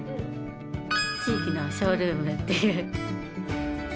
「地域のショールーム」っていう。